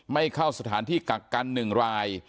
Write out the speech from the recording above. ไม่เข้าสถานที่กักกัน๑ราย